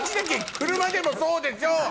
車でもそうでしょ！